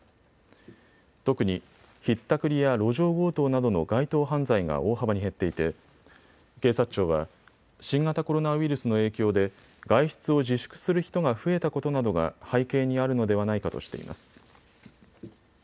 特にひったくりや路上強盗などの街頭犯罪が大幅に減っていて警察庁は新型コロナウイルスの影響で外出を自粛する人が増えたことなどが背景にあるのではないかとしています。